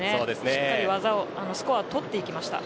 しっかりスコアを取っていきました。